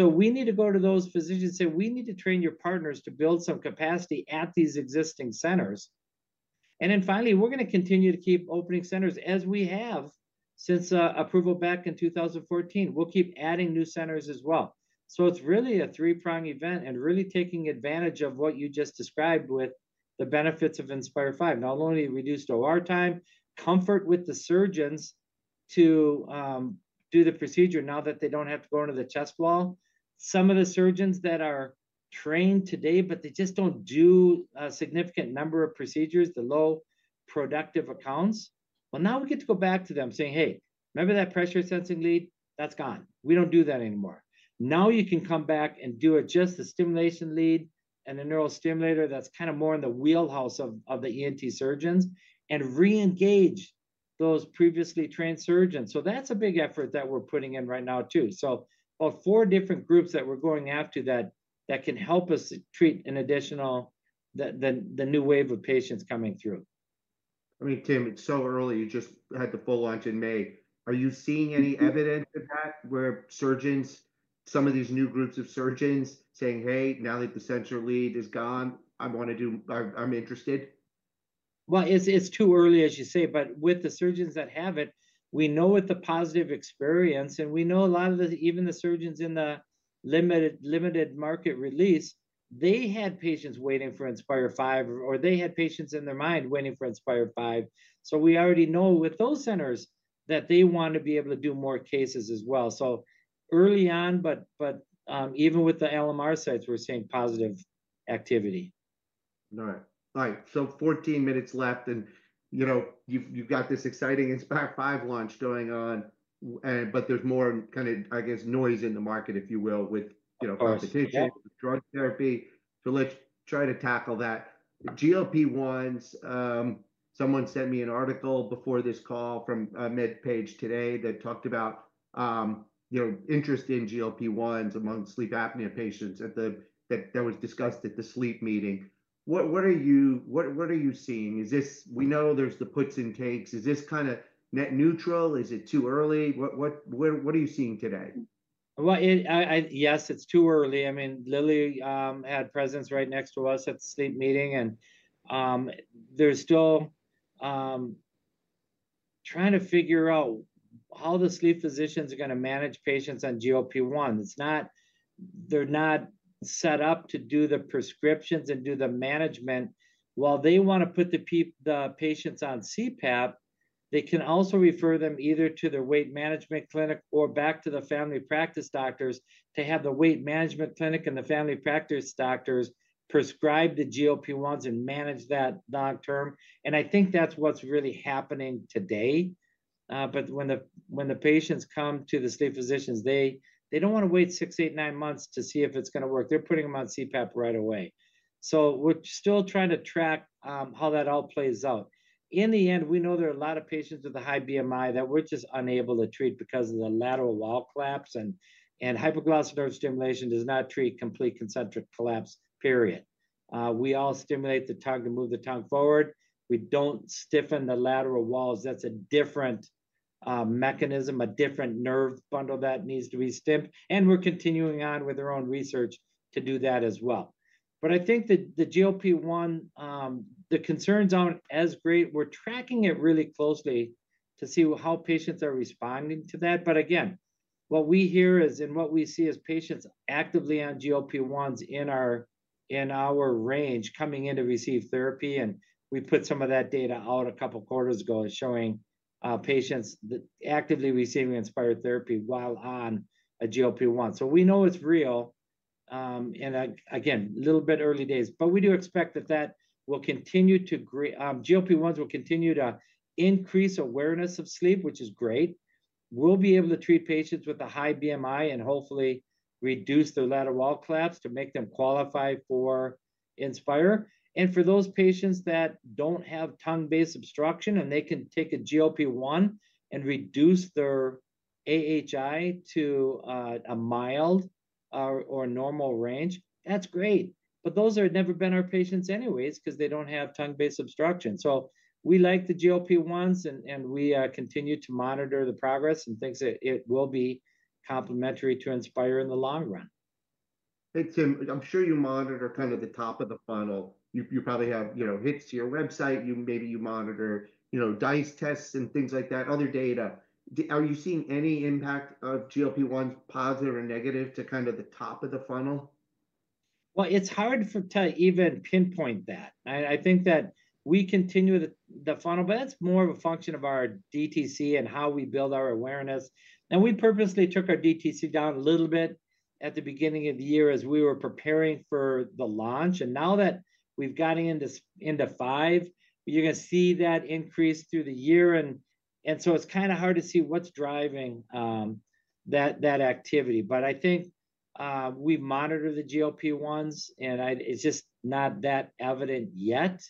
We need to go to those physicians, say we need to train your partners to build some capacity at these existing centers. Finally, we're going to continue to keep opening centers as we have since approval back in 2014. We'll keep adding new centers as well. It's really a three prong event and really taking advantage of what you just described with the benefits of Inspire V. Not only reduced OR time, comfort with the surgeons to do the procedure now that they don't have to go into the chest wall. Some of the surgeons that are trained today, but they just don't do a significant number of procedures. The low productive accounts, now we get to go back to them saying, hey, remember that pressure sensing lead, that's gone. We don't do that anymore. Now you can come back and do it. Just the stimulation lead and a neurostimulator, that's kind of more in the wheelhouse of the ENT surgeons, and re-engage those previously trained surgeons. That is a big effort that we're putting in right now too. About four different groups that we're going after that can help us treat an additional, the new wave of patients coming through. I mean, Tim, it's so early. You just had the full launch in May. Are you seeing any evidence of that? Where surgeons, some of these new groups of surgeons saying, hey, now that the sensor lead is gone, I want to do. I'm interested. It is too early, as you say. But with the surgeons that have it, we know with the positive experience and we know a lot of the, even the surgeons in the limited market release, they had patients waiting for Inspire V or they had patients in their mind waiting for Inspire V. We already know with those centers that they want to be able to do more cases as well. Early on. But even with the LMR sites, we are seeing positive activity. All right. All right, so 14 minutes left. You know, you've got this exciting Inspire V launch going on, but there's more kind of, I guess, noise in the market, if you will, with, you know, competition, drug therapy. Let's try to tackle that, GLP-1s. Someone sent me an article before this call from MedPage Today that talked about, you know, interest in GLP-1s among sleep apnea patients at the, that, that was discussed at the sleep meeting. What, what are you, what, what are you seeing? Is this, we know there's the puts and takes. Is this kind of net neutral? Is it too early? What, what are you seeing today? Yes, it's too early. I mean, Lilly had presence right next to us at SLEEP meeting and they're still trying to figure out how the sleep physicians are going to manage patients on GLP-1. They're not set up to do the prescriptions and do the management. While they want to put the patients on CPAP, they can also refer them either to their weight management clinic or back to the family practice doctors to have the weight management clinic and the family practice doctors prescribe the GLP-1s and manage that long term. I think that's what's really happening today. When the patients come to the sleep physicians, they don't want to wait 6 to 8 to 9 months to see if it's going to work. They're putting them on CPAP right away. We're still trying to track how that all plays out in the end. We know there are a lot of patients with a high BMI that we're just unable to treat because of the lateral wall collapse. Hypoglossal nerve stimulation does not treat complete concentric collapse period. We all stimulate the tongue to move the tongue forward. We do not stiffen the lateral walls. That is a different mechanism, a different nerve bundle that needs to be stimulated. We are continuing on with our own research to do that as well. I think that the GLP-1, the concerns are not as great. We are tracking it really closely to see how patients are responding to that. What we hear is, and what we see is, patients actively on GLP-1s in our range coming in to receive therapy. We put some of that data out a couple quarters ago showing patients actively receiving Inspire therapy while on a GLP-1. We know it is real. Again, a little bit early days, but we do expect that that will continue to. GLP-1s will continue to increase awareness of sleep, which is great. We will be able to treat patients with a high BMI and hopefully reduce their lateral wall collapse to make them qualify for Inspire. For those patients that do not have tongue-based obstruction and they can take a GLP-1 and reduce their AHI to a mild or normal range, that is great. Those have never been our patients anyway because they do not have tongue-based obstruction. We like the GLP-1s and we continue to monitor the progress and think that it will be complementary to Inspire in the long run. Hey Tim, I'm sure you monitor kind of the top of the funnel. You probably have, you know, hits to your website. You maybe you monitor, you know, dice tests and things like that, other data. Are you seeing any impact of GLP-1's positive or negative to kind of the top of the funnel? It is hard to even pinpoint that. I think that we continue the funnel, but that is more of a function of our DTC and how we build our awareness. We purposely took our DTC down a little bit at the beginning of the year as we were preparing for the launch. Now that we have gotten into five, you are going to see that increase through the year. It is kind of hard to see what is driving that activity. I think we have monitored the GLP-1s and it is just not that evident yet.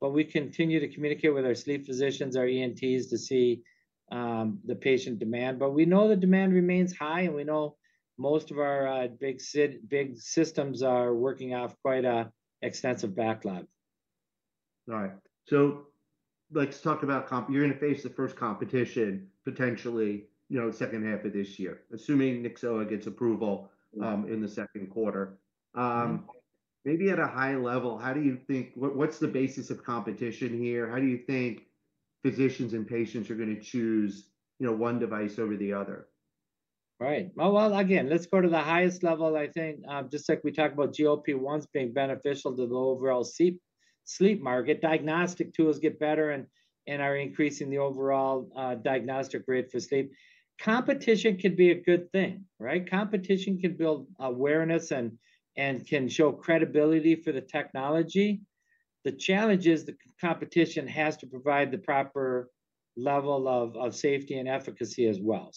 We continue to communicate with our sleep physicians, our ENTs to see the patient demand. We know the demand remains high and we know most of our big systems are working off quite an extensive backlog. Right. So let's talk about comp. You're going to face the first competition potentially, you know, second half of this year. Assuming Nyxoah gets approval in the second quarter, maybe at a high level. How do you think, what's the basis of competition here? How do you think physicians and patients are going to choose, you know, one device over the other? Right. Oh, again, let's go to the highest level. I think just like we talked about GLP-1 being beneficial to the overall sleep market, diagnostic tools get better and are increasing the overall diagnostic rate for sleep. Competition could be a good thing. Competition can build awareness and can show credibility for the technology. The challenge is the competition has to provide the proper level of safety and efficacy as well.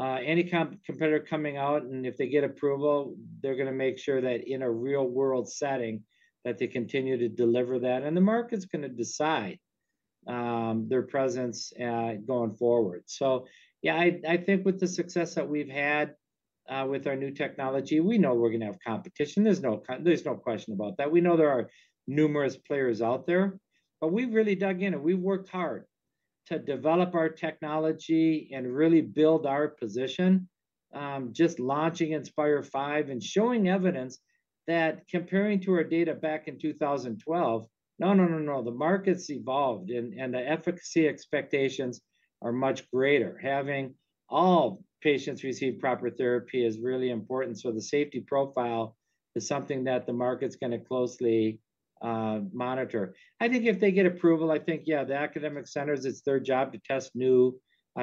Any competitor coming out and if they get approval, they're going to make sure that in a real world setting that they continue to deliver that and the market's going to decide their presence going forward. Yeah, I think with the success that we've had with our new technology, we know we're going to have competition. There's no question about that. We know there are numerous players out there, but we've really dug in and we've worked hard to develop our technology and really build our position. Just launching Inspire V and showing evidence that comparing to our data back in 2012. No, no, no, no. The market's evolved and the efficacy expectations are much greater. Having all patients receive proper therapy is really important. The safety profile is something that the market's going to closely monitor, I think. If they get approval, I think, yeah. The academic centers, it's their job to test new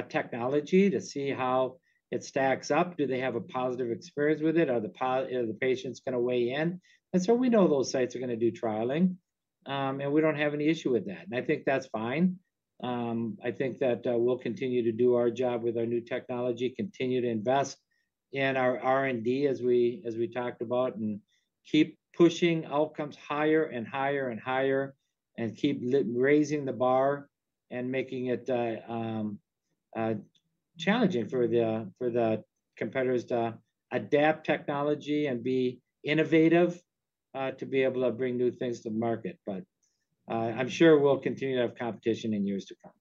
technology to see how it stacks up. Do they have a positive experience with it, are the patients going to weigh in? We know those sites are going to do trialing, and we don't have any issue with that. I think that's fine. I think that we'll continue to do our job with our new technology, continue to invest in our R&D as we talked about, and keep pushing outcomes higher and higher and higher and keep raising the bar and making it challenging for the competitors to adapt technology and be innovative, to be able to bring new things to the market. I'm sure we'll continue to have competition in years to come.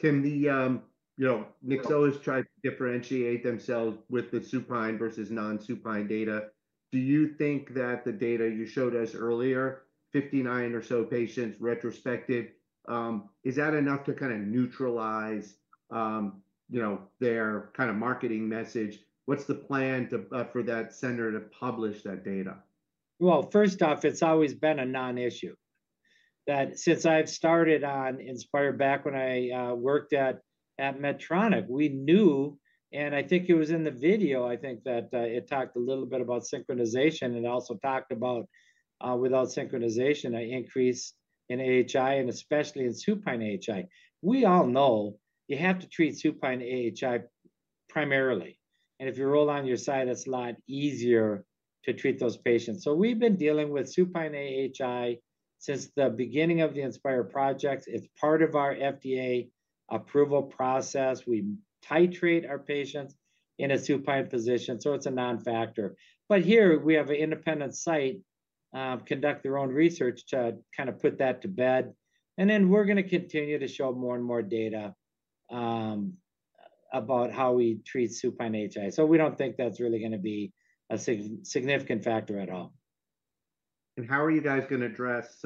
Tim, the, you know, Nyxoah has tried to differentiate themselves with the supine versus non-supine data. Do you think that the data you showed us earlier, 59 or so patients retrospective, is that enough to kind of neutralize, you know, their kind of marketing message? What's the plan for that center to publish that data? First off, it's always been a non-issue that since I've started on Inspire, back when I worked at Medtronic, we knew, and I think it was in the video, I think that it talked a little bit about synchronization and also talked about without synchronization, an increase in AHI and especially in supine AHI. We all know you have to treat supine AHI primarily, and if you roll on your side, it's a lot easier to treat those patients. We've been dealing with supine AHI since the beginning of the Inspire project. It's part of our FDA approval process. We titrate our patients in a supine position, so it's a non-factor patient. Here we have an independent site conduct their own research to kind of put that to bed. We're going to continue to show more and more data about how we treat supine AHI. We don't think that's really going to be a significant factor at all. How are you guys going to address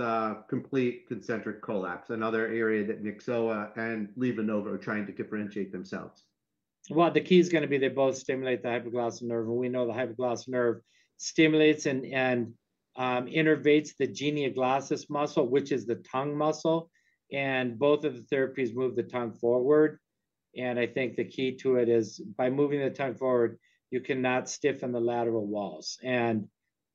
complete concentric collapse, another area that Nyxoah and LivaNova are trying to differentiate themselves? The key is going to be they both stimulate the hypoglossal nerve. We know the hypoglossal nerve stimulates and innervates the genioglossus muscle, which is the tongue muscle. Both of the therapies move the tongue forward. I think the key to it is by moving the tongue forward, you cannot stiffen the lateral walls.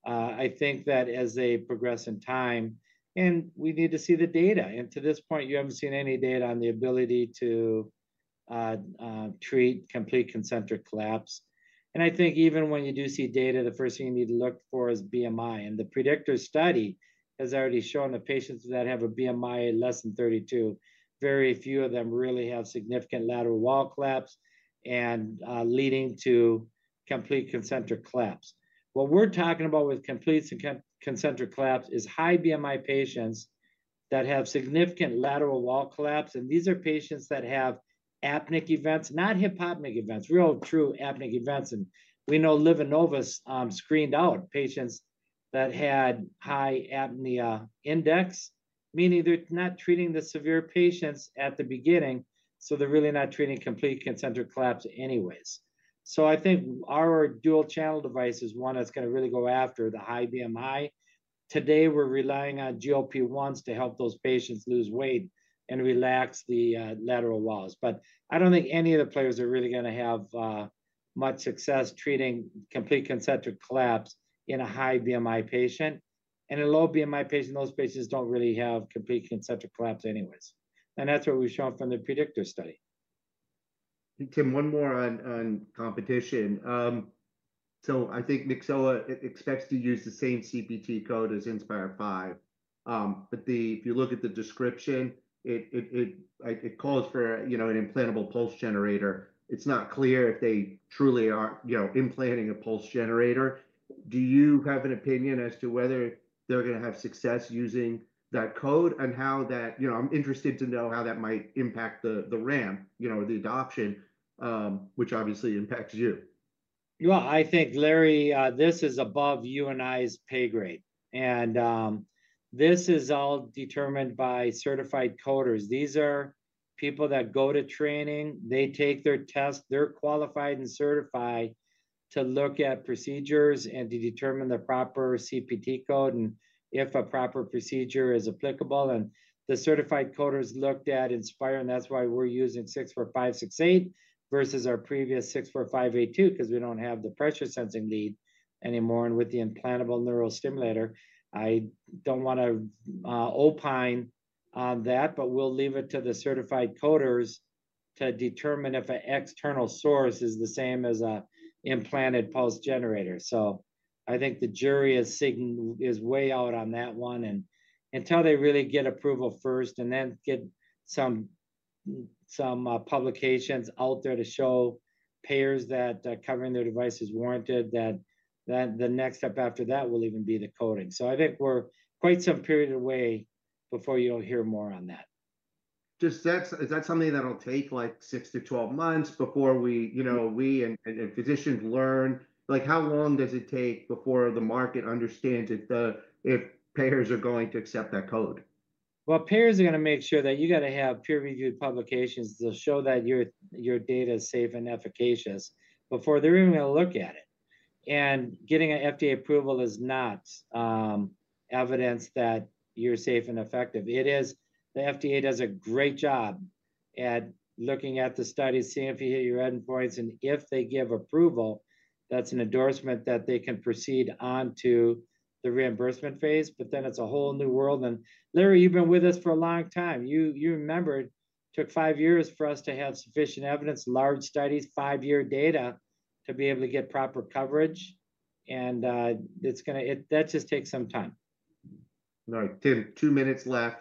I think that as they progress in time, and we need to see the data. To this point, you have not seen any data on the ability to treat complete concentric collapse. I think even when you do see data, the first thing you need to look for is BMI. The predictor study has already shown the patients that have a BMI less than 32, very few of them really have significant lateral wall collapse and leading to complete concentric collapse. What we're talking about with complete concentric collapse is high BMI patients that have significant lateral wall collapse. These are patients that have apneic events, not hypopneic events, real true apnea events. We know LivaNova screened out patients that had high apnea index, meaning they're not treating the severe patients at the beginning. They're really not treating complete concentric collapse anyways. I think our dual channel device is one that's going to really go after the high BMI. Today we're relying on GLP-1s to help those patients lose weight and relax the lateral walls. I don't think any of the players are really going to have much success treating complete concentric collapse in a high BMI patient, and in low BMI patients, those patients don't really have complete concentric collapse anyways. That's what we've shown from the predictor study. Tim, one more on competition. I think Nyxoah expects to use the same CPT code as Inspire V. If you look at the description, it calls for, you know, an implantable pulse generator. It's not clear if they truly are, you know, implanting a pulse generator. Do you have an opinion as to whether they're going to have success using that code and how that, you know, I'm interested to know how that might impact the, the ramp, you know, the adoption, which obviously impacts you. I think, Larry, this is above you and I's pay grade. This is all determined by certified coders. These are people that go to training, they take their test, they're qualified and certified to look at procedures and to determine the proper CPT code and if a proper procedure is applicable. The certified coders looked at Inspire, and that's why we're using 64568 versus our previous 64582 because we do not have the pressure sensing lead anymore. With the implantable neural stimulator, I do not want to opine on that, but we'll leave it to the certified coders to determine if an external source is the same as an implanted pulse generator. I think the jury is way out on that one. Until they really get approval first and then get some publications out there to show payers that covering their device is warranted, that the next step after that will even be the coding. I think we're quite some period away before you'll hear more on that. Is that something that'll take like 6-12 months before we, you know, we and physicians learn, like, how long does it take before the market understands that, if payers are going to accept that code? Payers are going to make sure that you got to have peer reviewed publications to show that your data is safe and efficacious before they're even going to look at it. Getting an FDA approval is not evidence that you're safe and effective. It is. The FDA does a great job at looking at the studies, seeing if you hit your end points and if they give approval that's an endorsement that they can proceed onto the reimbursement phase. Then it's a whole new world. Larry, you've been with us for a long time. You remembered it took five years for us to have sufficient evidence, large studies, five year data to be able to get proper coverage. That just takes some time. All right Tim, two minutes left.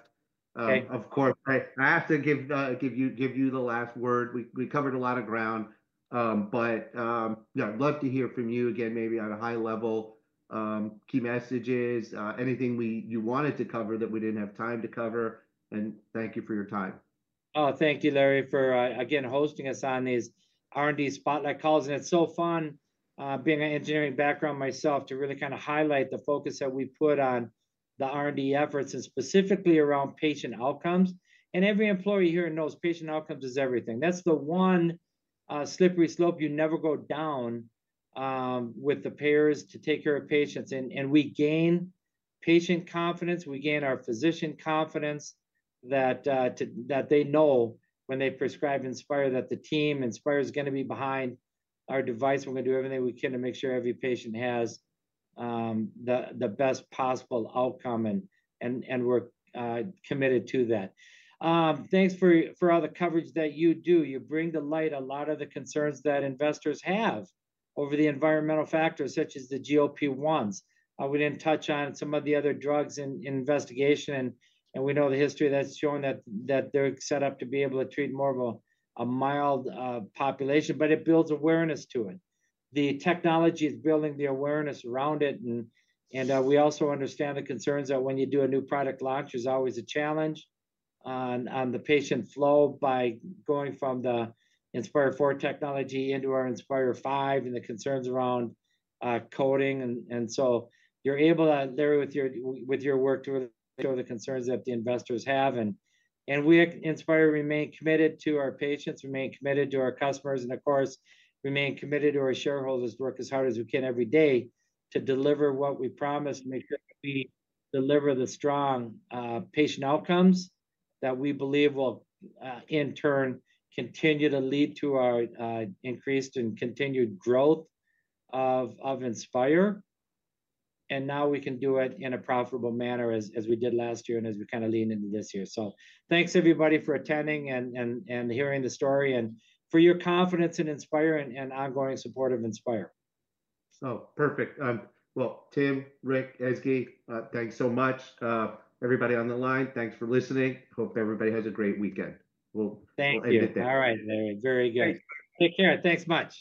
Of course I have to give you the last word. We covered a lot of ground but I'd love to hear from you again maybe at a high level. Key messages, anything you wanted to cover that we didn't have time to cover. Thank you for your time. Oh, thank you, Larry, for again hosting us on these R&D spotlight calls. It's so fun, being an engineering background myself, to really kind of highlight the focus that we put on the R&D efforts and specifically around patient outcomes. Every employee here knows patient outcomes is everything. That's the one slippery slope you never go down with the payers to take care of patients. We gain patient confidence, we gain our physician confidence that they know when they prescribe Inspire, that the team Inspire is going to be behind our device. We're going to do everything we can to make sure every patient has the best possible outcome. We're committed to that. Thanks for all the coverage that you do. You bring to light a lot of the concerns that investors have over the environmental factors such as the GLP-1s. We didn't touch on some of the other drugs in investigation, and we know the history that's showing that they're set up to be able to treat more of a mild population. It builds awareness to it. The technology is building the awareness around it. And. We also understand the concerns that when you do a new product launch, there's always a challenge on the patient flow by going from the Inspire IV technology into our Inspire V and the concerns around coding. You are able, with your work, to show the concerns that the investors have. We at Inspire remain committed to our patients, remain committed to our customers, and, of course, remain committed to our shareholders. We work as hard as we can every day to deliver what we promised, make sure we deliver the strong patient outcomes that we believe will, in turn, continue to lead to our increased and continued growth of Inspire. Now we can do it in a profitable manner, as we did last year and as we kind of lean into this year. Thanks, everybody, for attending and hearing the story and for your confidence in Inspire and ongoing support of Inspire. Oh, perfect. Tim, Rick, Ezgi, thanks so much. Everybody on the line, thanks for listening. Hope everybody has a great weekend. Thank you. All right, Larry, very good. Take care. Thanks much.